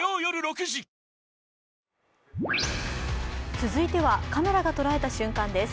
続いてはカメラがとらえた瞬間です。